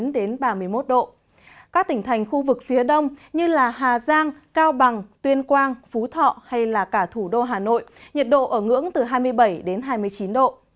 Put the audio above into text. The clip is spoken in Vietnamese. đến ba mươi một độ các tỉnh thành khu vực phía đông như hà giang cao bằng tuyên quang phú thọ hay cả thủ đô hà nội nhiệt độ ở ngưỡng từ hai mươi bảy đến hai mươi chín độ